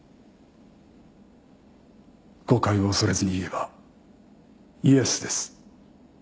誤解を恐れずにいえばイエスです。